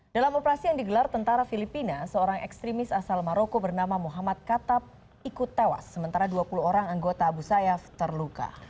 dalam operasi yang digelar tentara filipina seorang ekstremis asal maroko bernama muhammad katab ikut tewas sementara dua puluh orang anggota abu sayyaf terluka